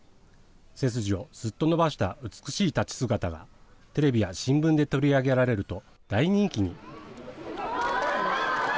背筋をすっと伸ばした美しい立ち姿が、テレビや新聞で取り上げられると、大人気に。